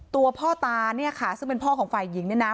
ตัวพ่อตาเนี่ยค่ะซึ่งเป็นพ่อของฝ่ายหญิงเนี่ยนะ